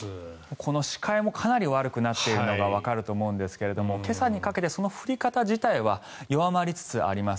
視界もかなり悪くなっているのがわかると思うんですが今朝にかけてその降り方自体は弱まりつつあります。